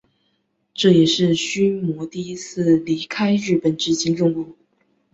这也是须磨第一次离开日本执行任务。